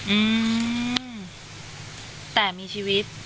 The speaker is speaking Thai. อืมแต่มีชีวิต